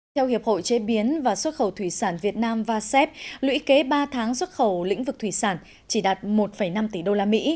theo hiệp hội chế biến và xuất khẩu thủy sản việt nam vasep lũy kế ba tháng xuất khẩu lĩnh vực thủy sản chỉ đạt một năm tỷ usd